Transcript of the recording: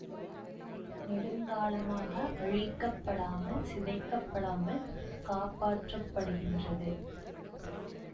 நெடுங் காலமாக அழிக்கப்படாமல், சிதைக்கப்படாமல் காப்பாற்றப்படுகின்றது.